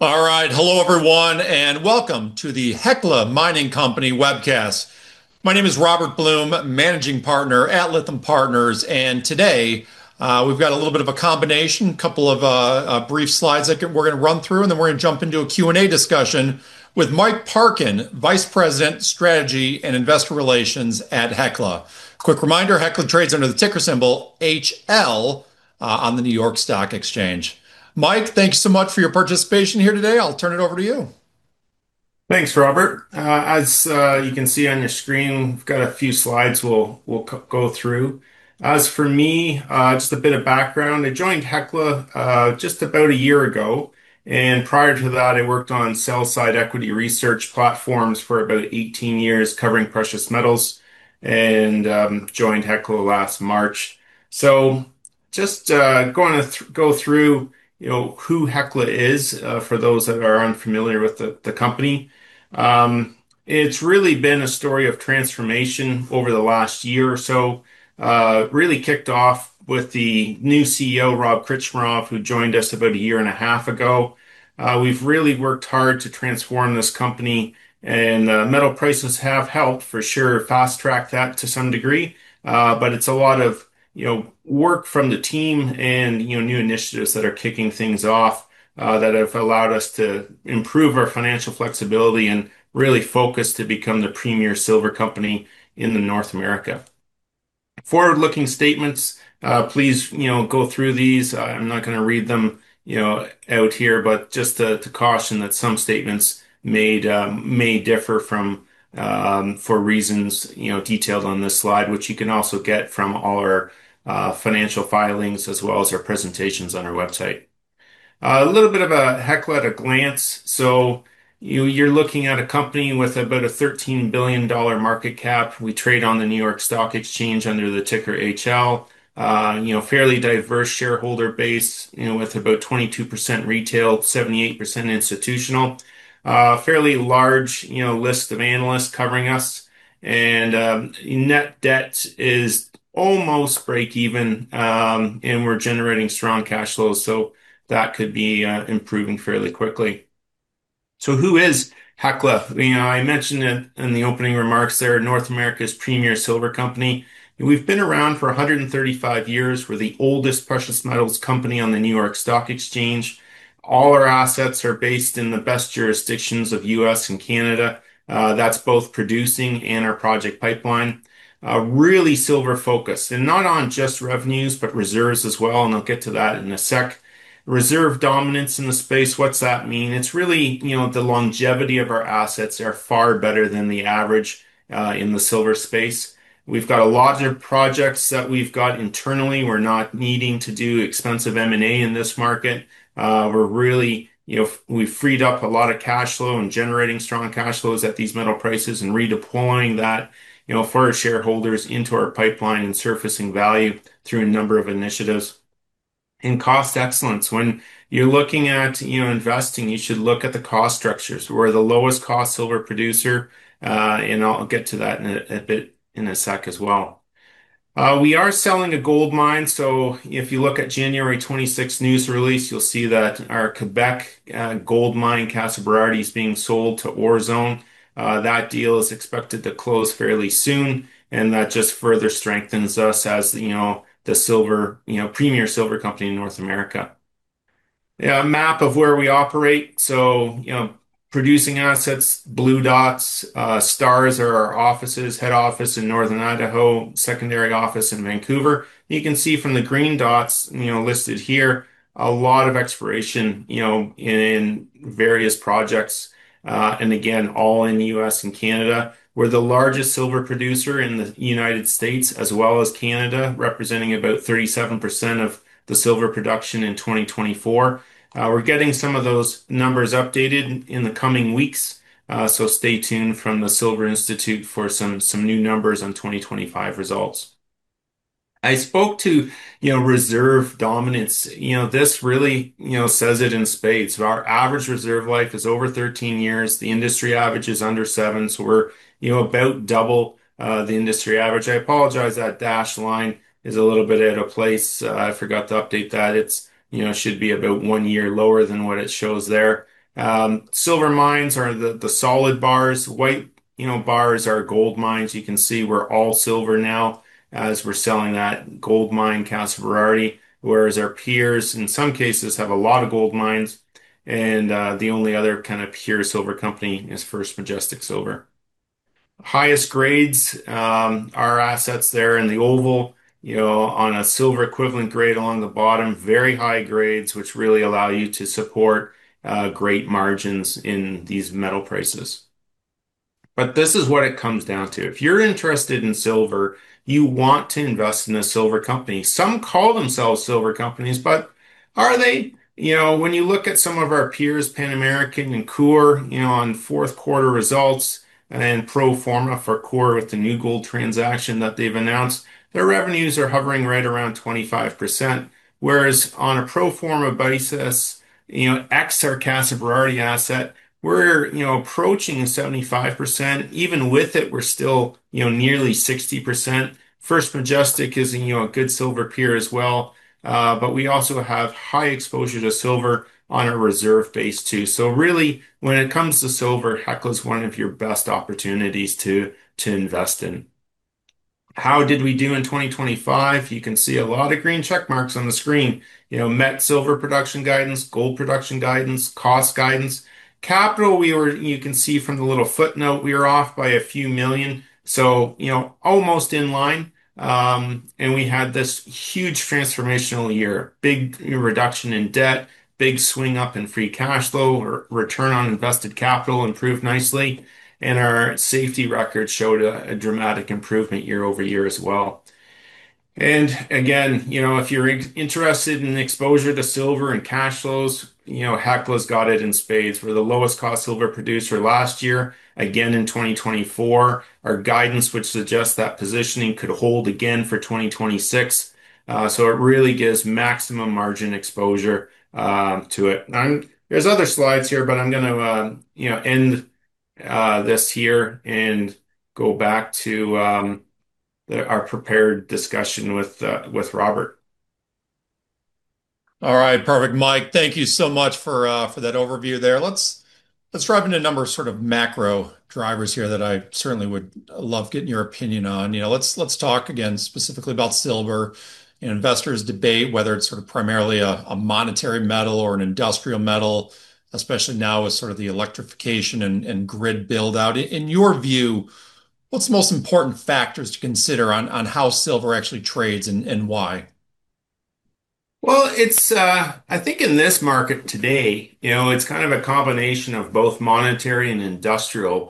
All right. Hello everyone, and welcome to the Hecla Mining Company webcast. My name is Robert Blum, Managing Partner at Lytham Partners, and today, we've got a little bit of a combination, couple of, brief slides that we're gonna run through, and then we're gonna jump into a Q&A discussion with Mike Parkin, Vice President, Strategy and Investor Relations at Hecla. Quick reminder, Hecla trades under the ticker symbol HL, on the New York Stock Exchange. Mike, thank you so much for your participation here today. I'll turn it over to you. Thanks, Robert. As you can see on your screen, we've got a few slides we'll go through. As for me, just a bit of background. I joined Hecla just about a year ago, and prior to that I worked on sell-side equity research platforms for about 18 years covering precious metals and joined Hecla last March. Just going to go through, you know, who Hecla is for those that are unfamiliar with the company. It's really been a story of transformation over the last year or so. Really kicked off with the new CEO, Rob Krcmarov, who joined us about a year and a half ago. We've really worked hard to transform this company, and metal prices have helped for sure fast track that to some degree/ It's a lot of, you know, work from the team and, you know, new initiatives that are kicking things off, that have allowed us to improve our financial flexibility and really focus to become the premier silver company in North America. Forward-looking statements, please, you know, go through these. I'm not gonna read them, you know, out here, but just to caution that some statements made may differ from actual results for reasons, you know, detailed on this slide, which you can also get from our financial filings as well as our presentations on our website. A little bit about Hecla at a glance. You're looking at a company with about a $13 billion market cap. We trade on the New York Stock Exchange under the ticker HL. Fairly diverse shareholder base, you know, with about 22% retail, 78% institutional. Fairly large, you know, list of analysts covering us. Net debt is almost breakeven, and we're generating strong cash flows, so that could be improving fairly quickly. Who is Hecla? You know, I mentioned it in the opening remarks there, North America's premier silver company. We've been around for 135 years. We're the oldest precious metals company on the New York Stock Exchange. All our assets are based in the best jurisdictions of U.S. and Canada. That's both producing and our project pipeline. Really silver focused, and not on just revenues, but reserves as well, and I'll get to that in a sec. Reserve dominance in the space, what's that mean? It's really, you know, the longevity of our assets are far better than the average in the silver space. We've got a lot of projects that we've got internally. We're not needing to do expensive M&A in this market. We're really, you know, we've freed up a lot of cash flow and generating strong cash flows at these metal prices and redeploying that, you know, for our shareholders into our pipeline and surfacing value through a number of initiatives. Cost excellence. When you're looking at, you know, investing, you should look at the cost structures. We're the lowest cost silver producer, and I'll get to that in a bit, in a sec as well. We are selling a gold mine, so if you look at January 26th news release, you'll see that our Quebec gold mine, Casa Berardi, is being sold to Orezone. That deal is expected to close fairly soon, and that just further strengthens us as, you know, the silver, you know, premier silver company in North America. A map of where we operate. Producing assets, blue dots. Stars are our offices, head office in Northern Idaho, secondary office in Vancouver. You can see from the green dots, you know, listed here, a lot of exploration, you know, in various projects, and again, all in the U.S. and Canada. We're the largest silver producer in the United States as well as Canada, representing about 37% of the silver production in 2024. We're getting some of those numbers updated in the coming weeks, so stay tuned from the Silver Institute for some new numbers on 2025 results. I spoke to, you know, reserve dominance. You know, this really, you know, says it in spades. Our average reserve life is over 13 years. The industry average is under seven, so we're, you know, about double the industry average. I apologize, that dashed line is a little bit out of place. I forgot to update that. It's, you know, should be about one year lower than what it shows there. Silver mines are the solid bars. White, you know, bars are gold mines. You can see we're all silver now as we're selling that gold mine, Casa Berardi, whereas our peers in some cases have a lot of gold mines and the only other kind of pure silver company is First Majestic Silver. Highest grades, our assets there in the oval, you know, on a silver equivalent grade along the bottom, very high grades which really allow you to support great margins in these metal prices. This is what it comes down to. If you're interested in silver, you want to invest in a silver company. Some call themselves silver companies, but are they? You know, when you look at some of our peers, Pan American and Coeur, you know, on fourth quarter results and pro forma for Coeur with the New Gold transaction that they've announced, their revenues are hovering right around 25%, whereas on a pro forma basis, you know, ex our Casa Berardi asset, we're, you know, approaching 75%. Even with it, we're still, you know, nearly 60%. First Majestic is, you know, a good silver peer as well, but we also have high exposure to silver on our reserve base too. Really when it comes to silver, Hecla's one of your best opportunities to invest in. How did we do in 2025? You can see a lot of green check marks on the screen. You know, met silver production guidance, gold production guidance, cost guidance. Capital, we were, you can see from the little footnote, we were off by a few million. You know, almost in line. We had this huge transformational year. Big reduction in debt, big swing up in free cash flow, return on invested capital improved nicely, and our safety record showed a dramatic improvement year-over-year as well. Again, you know, if you're interested in exposure to silver and cash flows, you know, Hecla's got it in spades. We're the lowest cost silver producer last year, again in 2024. Our guidance would suggest that positioning could hold again for 2026. It really gives maximum margin exposure to it. There's other slides here, but I'm gonna, you know, end this here and go back to our prepared discussion with Robert. All right. Perfect, Mike. Thank you so much for that overview there. Let's dive into a number of sort of macro drivers here that I certainly would love getting your opinion on. You know, let's talk again specifically about silver and investors debate whether it's sort of primarily a monetary metal or an industrial metal, especially now with sort of the electrification and grid build-out. In your view, what's the most important factors to consider on how silver actually trades and why? Well, it's, I think in this market today, you know, it's kind of a combination of both monetary and industrial.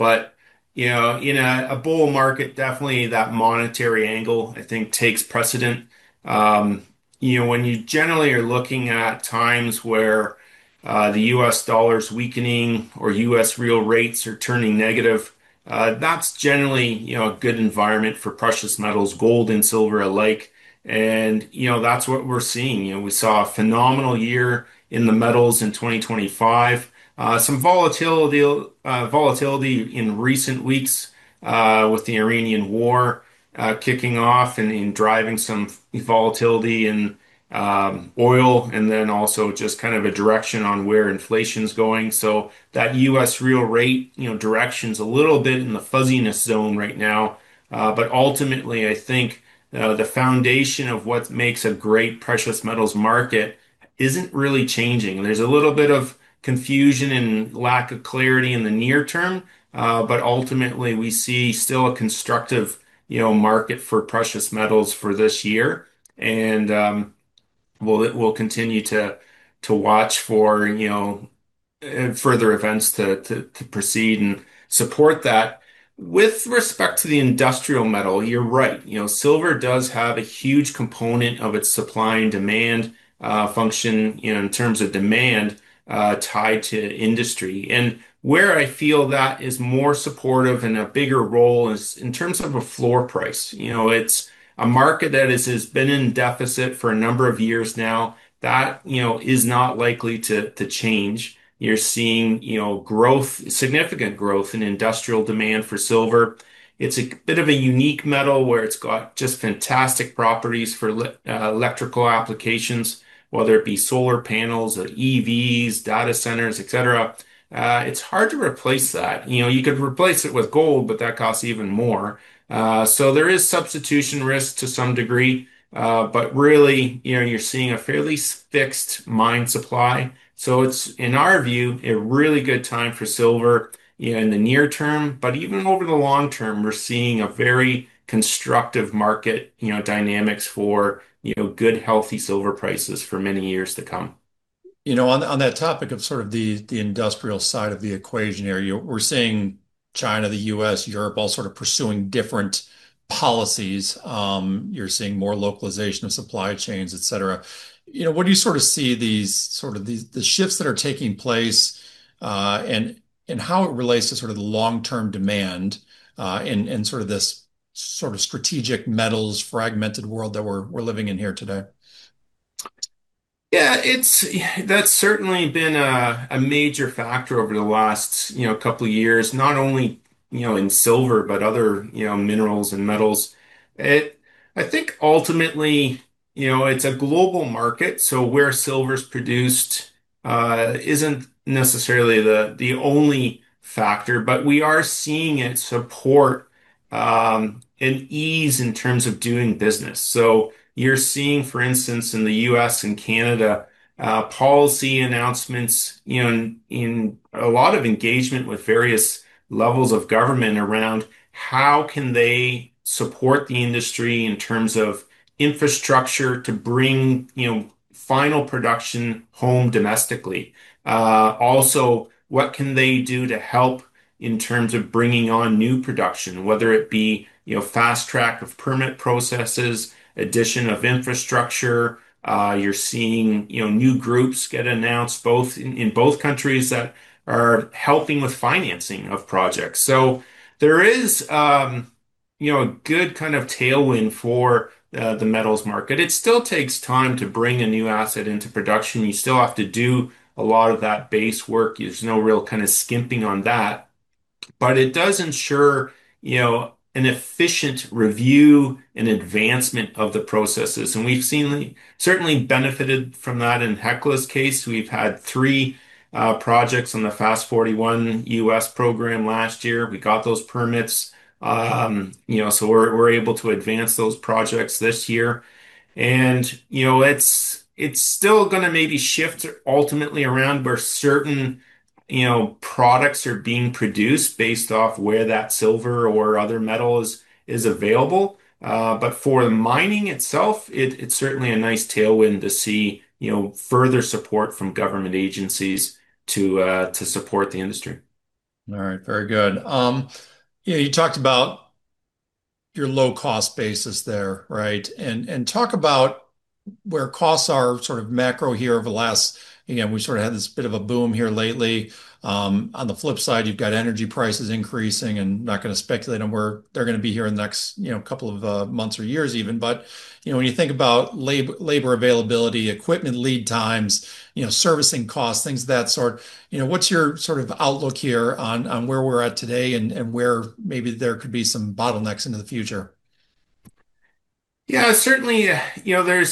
You know, in a bull market, definitely that monetary angle I think takes precedence. You know, when you generally are looking at times where the U.S. dollar's weakening or U.S. real rates are turning negative, that's generally, you know, a good environment for precious metals, gold and silver alike. You know, that's what we're seeing. You know, we saw a phenomenal year in the metals in 2025. Some volatility in recent weeks with the Iranian war kicking off and driving some volatility in oil and then also just kind of a direction on where inflation's going. That U.S. real rate, you know, direction's a little bit in the fuzziness zone right now. Ultimately I think the foundation of what makes a great precious metals market isn't really changing. There's a little bit of confusion and lack of clarity in the near term. Ultimately we see still a constructive, you know, market for precious metals for this year. We'll continue to watch for, you know, further events to proceed and support that. With respect to the industrial metal, you're right. You know, silver does have a huge component of its supply and demand function, you know, in terms of demand tied to industry. Where I feel that is more supportive and a bigger role is in terms of a floor price. You know, it's a market that has been in deficit for a number of years now. That, you know, is not likely to change. You're seeing, you know, growth, significant growth in industrial demand for silver. It's a bit of a unique metal where it's got just fantastic properties for electrical applications, whether it be solar panels or EVs, data centers, et cetera. It's hard to replace that. You know, you could replace it with gold, but that costs even more. There is substitution risk to some degree, but really, you know, you're seeing a fairly fixed mine supply. It's, in our view, a really good time for silver, you know, in the near term. Even over the long term, we're seeing a very constructive market, you know, dynamics for, you know, good, healthy silver prices for many years to come. You know, on that topic of sort of the industrial side of the equation area, we're seeing China, the U.S., Europe, all sort of pursuing different policies. You're seeing more localization of supply chains, et cetera. You know, what do you sort of see these sort of the shifts that are taking place, and how it relates to sort of the long-term demand, in sort of this sort of strategic metals fragmented world that we're living in here today? That's certainly been a major factor over the last, you know, couple of years, not only, you know, in silver, but other, you know, minerals and metals. I think ultimately, you know, it's a global market, so where silver's produced isn't necessarily the only factor. We are seeing it support an ease in terms of doing business. You're seeing, for instance, in the U.S. and Canada, policy announcements in a lot of engagement with various levels of government around how can they support the industry in terms of infrastructure to bring, you know, final production home domestically. Also, what can they do to help in terms of bringing on new production, whether it be, you know, fast track of permit processes, addition of infrastructure. You're seeing, you know, new groups get announced in both countries that are helping with financing of projects. There is, you know, a good kind of tailwind for the metals market. It still takes time to bring a new asset into production. You still have to do a lot of that base work. There's no real kind of skimping on that. It does ensure, you know, an efficient review and advancement of the processes, and we've certainly benefited from that. In Hecla's case, we've had three projects on the FAST-41 U.S. program last year. We got those permits. We're able to advance those projects this year. It's still gonna maybe shift ultimately around where certain products are being produced based off where that silver or other metals is available. For the mining itself, it's certainly a nice tailwind to see, you know, further support from government agencies to support the industry. All right. Very good. Yeah, you talked about your low-cost basis there, right? Talk about where costs are sort of macro here over the last. You know, we sort of had this bit of a boom here lately. On the flip side, you've got energy prices increasing and not gonna speculate on where they're gonna be here in the next, you know, couple of months or years even. You know, when you think about labor availability, equipment lead times, you know, servicing costs, things of that sort, you know, what's your sort of outlook here on where we're at today and where maybe there could be some bottlenecks into the future? Yeah, certainly, you know, there'd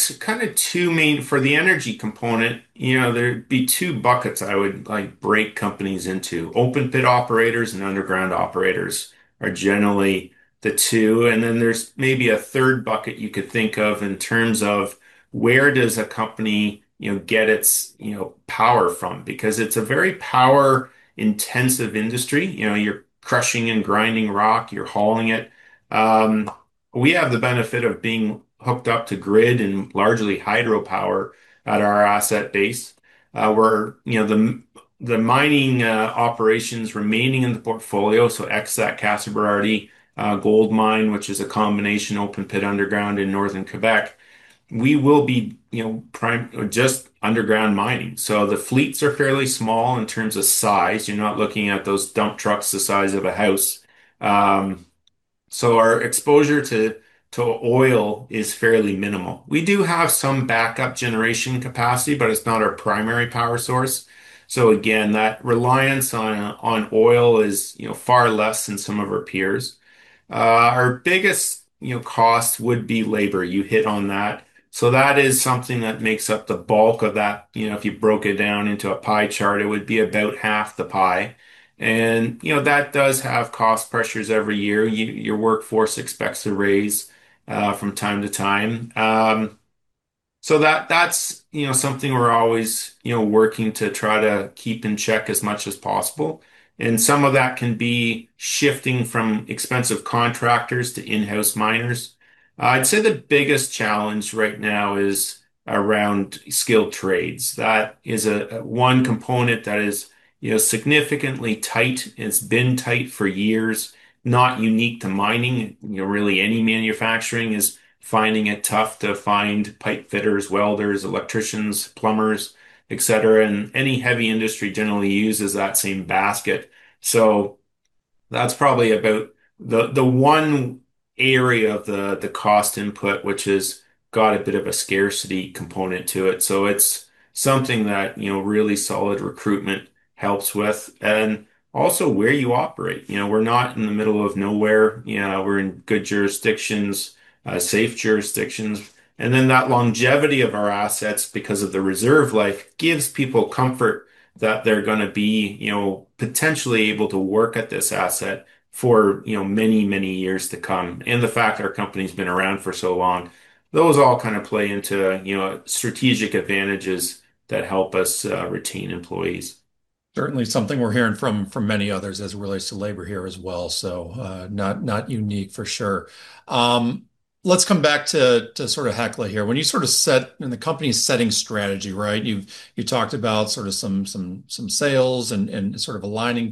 be two buckets I would, like, break companies into. Open pit operators and underground operators are generally the two, and then there's maybe a third bucket you could think of in terms of where does a company, you know, get its, you know, power from because it's a very power-intensive industry. You know, you're crushing and grinding rock. You're hauling it. We have the benefit of being hooked up to grid and largely hydropower at our asset base. We're, you know, the mining operations remaining in the portfolio, so exit Casa Berardi gold mine, which is a combination open pit underground in Northern Québec. We will be, you know, just underground mining. The fleets are fairly small in terms of size, you're not looking at those dump trucks the size of a house. Our exposure to oil is fairly minimal. We do have some backup generation capacity, but it's not our primary power source. Again, that reliance on oil is, you know, far less than some of our peers. Our biggest, you know, cost would be labor. You hit on that. That is something that makes up the bulk of that. You know, if you broke it down into a pie chart, it would be about half the pie and, you know, that does have cost pressures every year. Your workforce expects a raise from time to time. That's you know something we're always you know working to try to keep in check as much as possible, and some of that can be shifting from expensive contractors to in-house miners. I'd say the biggest challenge right now is around skilled trades. That is one component that is you know significantly tight. It's been tight for years, not unique to mining. You know really any manufacturing is finding it tough to find pipe fitters, welders, electricians, plumbers, et cetera, and any heavy industry generally uses that same basket. That's probably about the one area of the cost input which has got a bit of a scarcity component to it, so it's something that you know really solid recruitment helps with. Also where you operate you know we're not in the middle of nowhere. You know, we're in good jurisdictions, safe jurisdictions. Then that longevity of our assets, because of the reserve life, gives people comfort that they're gonna be, you know, potentially able to work at this asset for, you know, many, many years to come. The fact that our company's been around for so long, those all kind of play into, you know, strategic advantages that help us retain employees. Certainly something we're hearing from many others as it relates to labor here as well, so not unique for sure. Let's come back to sort of Hecla here. When you sort of set the company's strategy, right? You've talked about sort of some sales and sort of aligning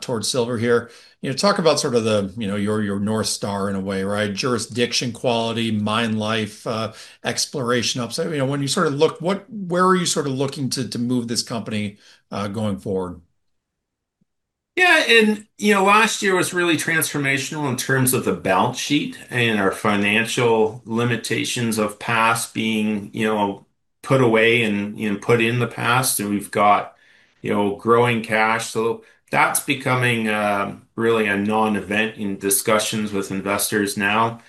towards silver here. You know, talk about sort of the, you know, your North Star in a way, right? Jurisdiction, quality, mine life, exploration upside. You know, when you sort of look, where are you sort of looking to move this company going forward? Yeah. You know, last year was really transformational in terms of the balance sheet and our financial limitations of past being, you know, put away and, you know, put in the past, and we've got, you know, growing cash. That's becoming really a non-event in discussions with investors now.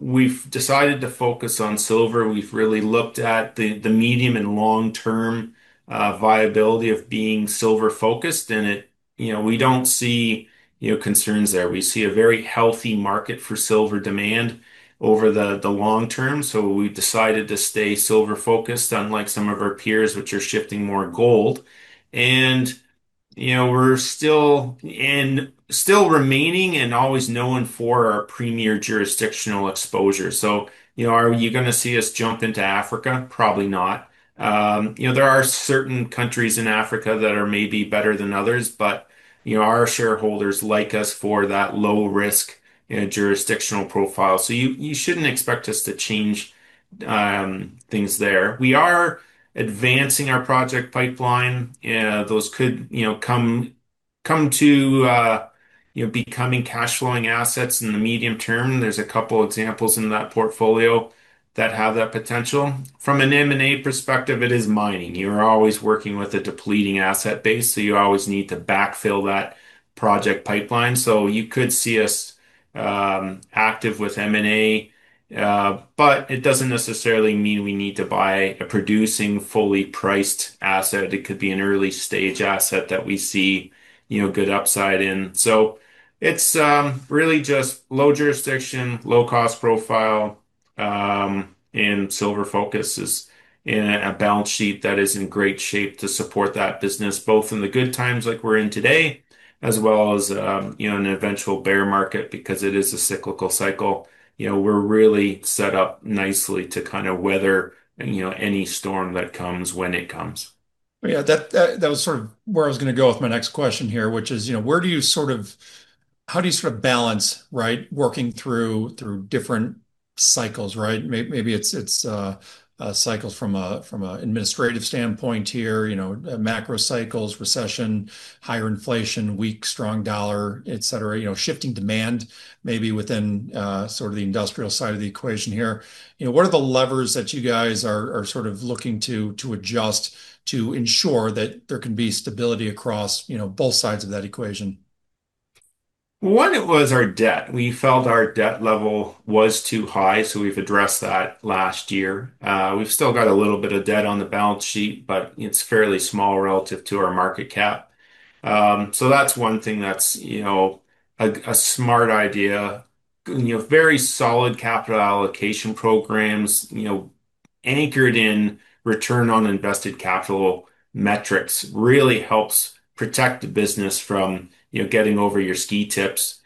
We've decided to focus on silver. We've really looked at the medium and long-term viability of being silver-focused, and you know, we don't see concerns there. We see a very healthy market for silver demand over the long term, so we've decided to stay silver-focused unlike some of our peers which are shifting more gold. You know, we're still remaining and always known for our premier jurisdictional exposure. You know, are you gonna see us jump into Africa? Probably not. You know, there are certain countries in Africa that are maybe better than others, but you know, our shareholders like us for that low risk, you know, jurisdictional profile. You shouldn't expect us to change things there. We are advancing our project pipeline. Those could come to becoming cash flowing assets in the medium term. There's a couple examples in that portfolio that have that potential. From an M&A perspective, it is mining. You're always working with a depleting asset base, so you always need to backfill that project pipeline. You could see us active with M&A, but it doesn't necessarily mean we need to buy a producing, fully priced asset. It could be an early stage asset that we see, you know, good upside in. It's really just low jurisdiction, low cost profile, and silver focus, and a balance sheet that is in great shape to support that business, both in the good times like we're in today, as well as, you know, an eventual bear market because it is a cyclical cycle. You know, we're really set up nicely to kind of weather, you know, any storm that comes when it comes. Yeah. That was sort of where I was gonna go with my next question here, which is, you know, how do you sort of balance, right, working through different cycles, right? Maybe it's cycles from a administrative standpoint here, you know, macro cycles, recession, higher inflation, weak or strong dollar, et cetera. You know, shifting demand maybe within sort of the industrial side of the equation here. You know, what are the levers that you guys are sort of looking to adjust to ensure that there can be stability across, you know, both sides of that equation? One was our debt. We felt our debt level was too high, so we've addressed that last year. We've still got a little bit of debt on the balance sheet, but it's fairly small relative to our market cap. That's one thing that's, you know, a smart idea. You know, very solid capital allocation programs, you know, anchored in return on invested capital metrics really helps protect the business from, you know, getting over your ski tips.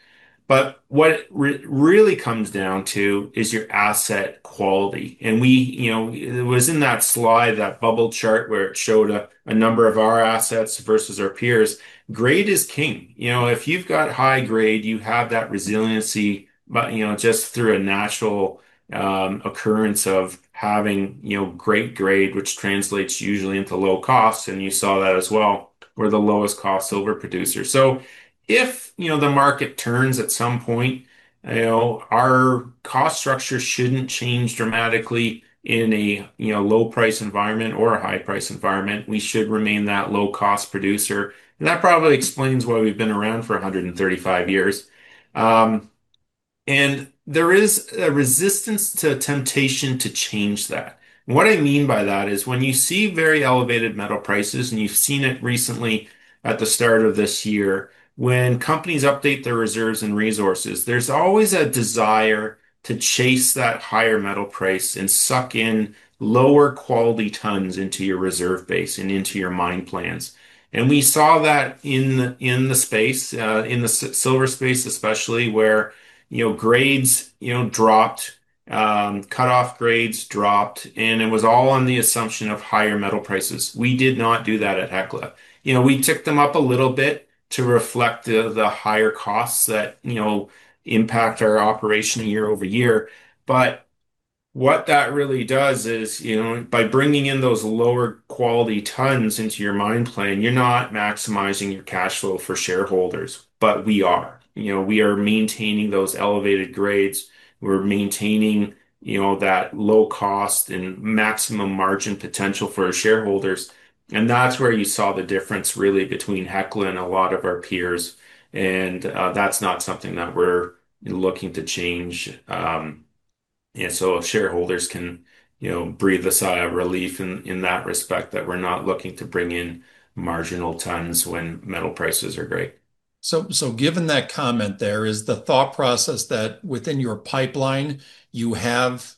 What really comes down to is your asset quality. We, you know, it was in that slide, that bubble chart where it showed a number of our assets versus our peers. Grade is king. You know, if you've got high grade, you have that resiliency, but, you know, just through a natural occurrence of having, you know, great grade, which translates usually into low costs, and you saw that as well. We're the lowest cost silver producer. If, you know, the market turns at some point, you know, our cost structure shouldn't change dramatically in a, you know, low price environment or a high price environment. We should remain that low cost producer, and that probably explains why we've been around for 135 years. There is a resistance to temptation to change that. What I mean by that is when you see very elevated metal prices, and you've seen it recently at the start of this year, when companies update their reserves and resources, there's always a desire to chase that higher metal price and suck in lower quality tons into your reserve base and into your mine plans. We saw that in the silver space especially where, you know, grades, you know, dropped, cutoff grades dropped, and it was all on the assumption of higher metal prices. We did not do that at Hecla. You know, we took them up a little bit to reflect the higher costs that, you know, impact our operation year over year. What that really does is, you know, by bringing in those lower quality tons into your mine plan, you're not maximizing your cash flow for shareholders, but we are. You know, we are maintaining those elevated grades. We're maintaining, you know, that low cost and maximum margin potential for our shareholders, and that's where you saw the difference really between Hecla and a lot of our peers. That's not something that we're looking to change. Shareholders can, you know, breathe a sigh of relief in that respect that we're not looking to bring in marginal tons when metal prices are great. Given that comment there, is the thought process that within your pipeline you have,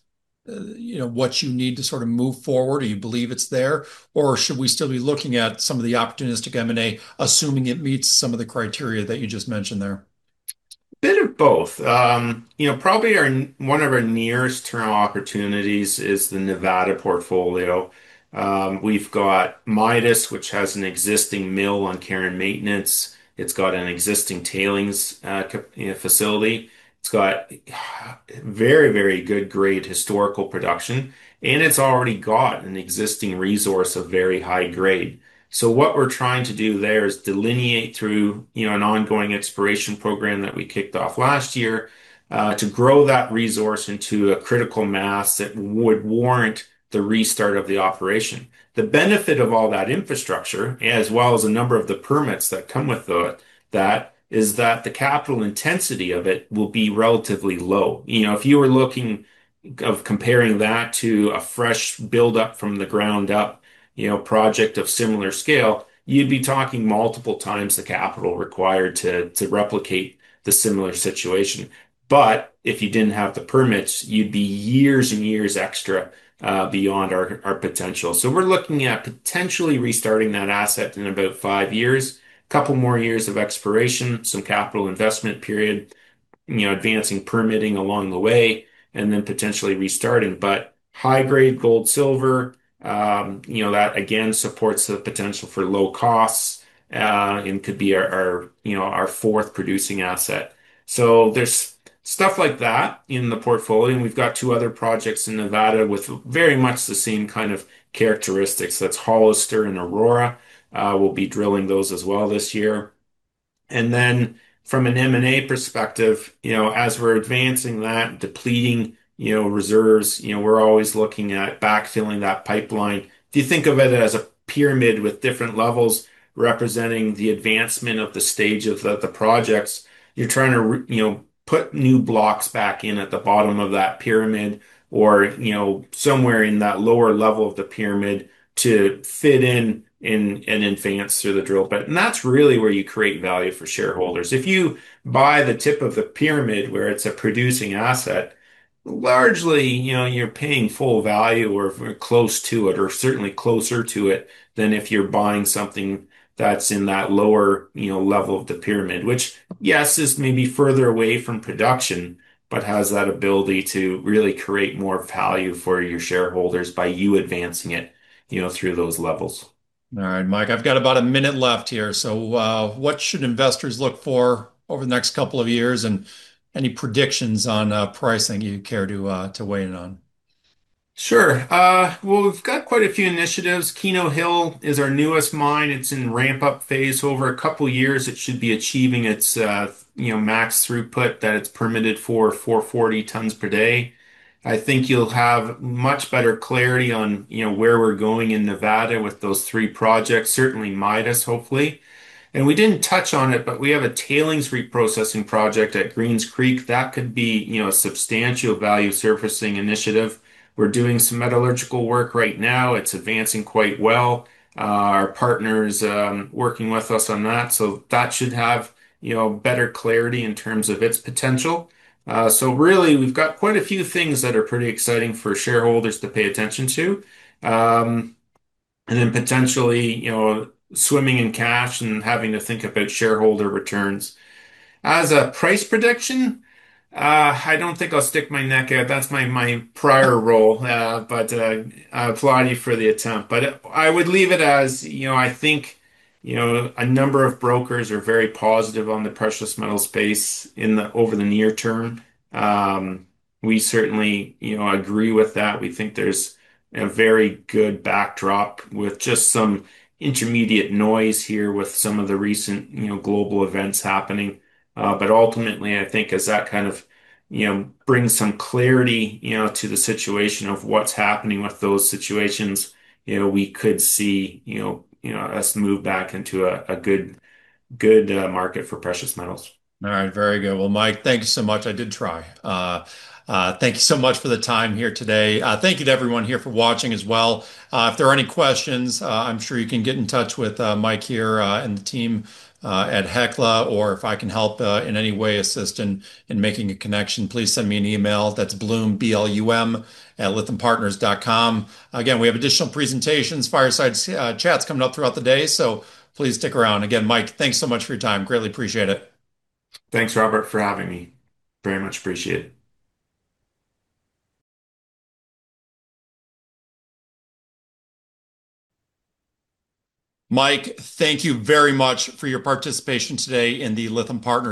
you know, what you need to sort of move forward or you believe it's there, or should we still be looking at some of the opportunistic M&A, assuming it meets some of the criteria that you just mentioned there? Bit of both. You know, probably one of our nearest term opportunities is the Nevada portfolio. We've got Midas, which has an existing mill on care and maintenance. It's got an existing tailings facility. It's got very, very good grade historical production, and it's already got an existing resource of very high grade. What we're trying to do there is delineate through an ongoing exploration program that we kicked off last year to grow that resource into a critical mass that would warrant the restart of the operation. The benefit of all that infrastructure, as well as a number of the permits that come with that, is that the capital intensity of it will be relatively low. You know, if you were looking to compare that to a fresh build up from the ground up, you know, project of similar scale, you'd be talking multiple times the capital required to replicate the similar situation. If you didn't have the permits, you'd be years and years extra beyond our potential. We're looking at potentially restarting that asset in about five years, couple more years of exploration, some capital investment period, you know, advancing permitting along the way, and then potentially restarting. High grade gold, silver, you know, that again supports the potential for low costs, and could be our, you know, our fourth producing asset. There's stuff like that in the portfolio, and we've got two other projects in Nevada with very much the same kind of characteristics. That's Hollister and Aurora. We'll be drilling those as well this year. Then from an M&A perspective, you know, as we're advancing that, depleting, you know, reserves, you know, we're always looking at backfilling that pipeline. If you think of it as a pyramid with different levels representing the advancement of the stage of the projects, you're trying to you know, put new blocks back in at the bottom of that pyramid or, you know, somewhere in that lower level of the pyramid to fit in and advance through the drill bit. That's really where you create value for shareholders. If you buy the tip of the pyramid where it's a producing asset, largely, you know, you're paying full value or very close to it or certainly closer to it than if you're buying something that's in that lower, you know, level of the pyramid, which, yes, is maybe further away from production but has that ability to really create more value for your shareholders by you advancing it, you know, through those levels. All right, Mike, I've got about a minute left here. What should investors look for over the next couple of years, and any predictions on, pricing you'd care to weigh in on? Sure. Well, we've got quite a few initiatives. Keno Hill is our newest mine. It's in ramp-up phase. Over a couple years it should be achieving its, you know, max throughput that it's permitted for, 440 tons per day. I think you'll have much better clarity on, you know, where we're going in Nevada with those three projects, certainly Midas, hopefully. We didn't touch on it, but we have a tailings reprocessing project at Greens Creek that could be, you know, a substantial value-surfacing initiative. We're doing some metallurgical work right now. It's advancing quite well. Our partner's working with us on that, so that should have, you know, better clarity in terms of its potential. Really we've got quite a few things that are pretty exciting for shareholders to pay attention to. Potentially, you know, swimming in cash and having to think about shareholder returns. As a price prediction, I don't think I'll stick my neck out. That's my prior role. I applaud you for the attempt. I would leave it as, you know, I think, you know, a number of brokers are very positive on the precious metal space in the over the near term. We certainly, you know, agree with that. We think there's a very good backdrop with just some intermediate noise here with some of the recent, you know, global events happening. Ultimately I think as that kind of, you know, brings some clarity, you know, to the situation of what's happening with those situations, you know, we could see, you know, us move back into a good market for precious metals. All right. Very good. Well, Mike, thank you so much. I did try. Thank you so much for the time here today. Thank you to everyone here for watching as well. If there are any questions, I'm sure you can get in touch with Mike here and the team at Hecla, or if I can help in any way assist in making a connection, please send me an email. That's Blum, B-L-U-M, @lythampartners.com. Again, we have additional presentations, fireside chats coming up throughout the day, so please stick around. Again, Mike, thanks so much for your time. Greatly appreciate it. Thanks, Robert, for having me. I very much appreciate it. Mike, thank you very much for your participation today in the Lytham Partners.